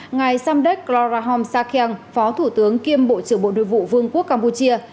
ngài samdech klorahom sakheng phó thủ tướng kiêm bộ trưởng bộ đối vụ vương quốc campuchia